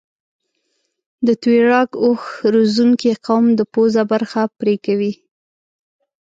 د تویراګ اوښ روزنکي قوم د پوزه برخه پرې کوي.